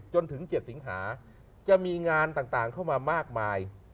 จนถึง๗สิงหาจะมีงานต่างเข้ามามากมาย